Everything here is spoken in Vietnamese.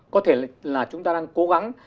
có thể là chúng ta đang cố gắng